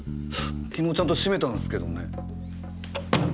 昨日ちゃんと閉めたんすけどね。